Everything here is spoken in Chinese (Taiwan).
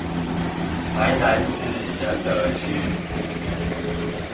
臺南市仁德區